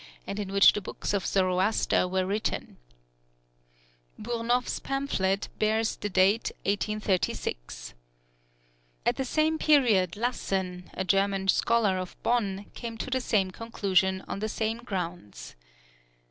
C., and in which the books of Zoroaster were written. Burnouf's pamphlet bears date 1836. At the same period Lassen, a German scholar of Bonn, came to the same conclusion on the same grounds.